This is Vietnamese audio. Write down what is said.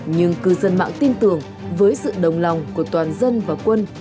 nhưng cư dân mạng tin tưởng với sự đồng lòng của toàn dân và quân